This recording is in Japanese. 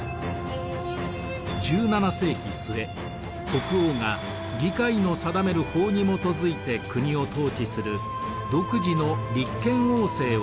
１７世紀末国王が議会の定める法に基づいて国を統治する独自の立憲王政を確立。